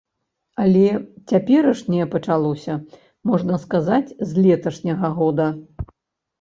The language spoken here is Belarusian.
Але цяперашняе пачалося, можна сказаць, з леташняга года.